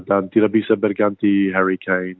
dan tidak bisa berganti harry kane